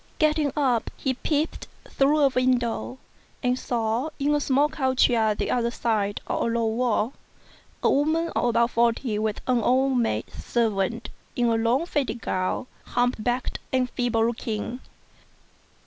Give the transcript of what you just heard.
Getting up, he peeped through a window, and saw, in a small court yard the other side of a low wall, a woman of about forty with an old maid servant in a long faded gown, humped backed and feeble looking.